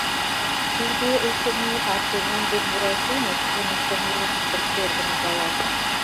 Тиде, очыни, Артемон ден Буратино шкеныштын илышыштым шергын ужалат.